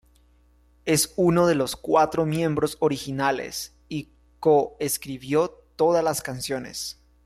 Es uno de los cuatro miembros originales, y co-escribió todas las canciones.